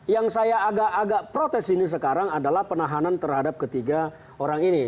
yang saya agak agak protes ini sekarang adalah penahanan terhadap ketiga orang ini